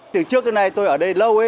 từ trước đến nay tôi ở đây lâu